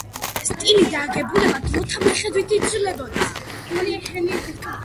სტილი და აგებულება დროთა მიხედვით იცვლებოდა.